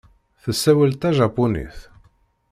Tessawal tajapunit.